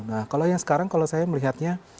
nah kalau yang sekarang kalau saya melihatnya